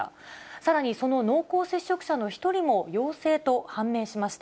さらに、その濃厚接触者の１人も陽性と判明しました。